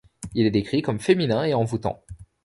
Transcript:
Il est décrit comme féminin et envoutant.